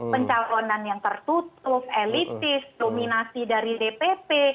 pencalonan yang tertutup elitis dominasi dari dpp